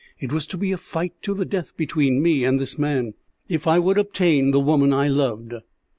It was to be a fight to the death between me and this man, if I would obtain the woman I loved.